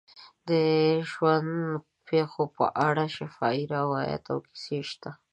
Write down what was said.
د ژوند پېښو په اړه شفاهي روایات او کیسې شته.